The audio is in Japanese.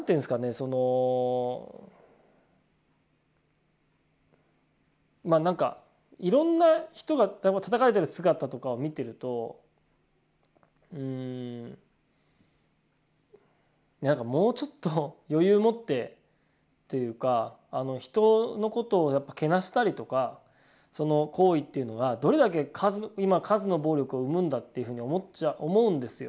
そのなんかいろんな人がたたかれてる姿とかを見てるともうちょっと余裕を持ってというか人のことをけなしたりとかその行為っていうのはどれだけ今数の暴力を生むんだっていうふうに思うんですよ